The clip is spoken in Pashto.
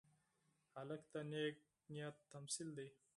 هلک د نیک نیت تمثیل دی.